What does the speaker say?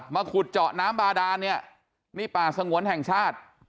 ขุดเจาะน้ำบาดานเนี่ยนี่ป่าสงวนแห่งชาติ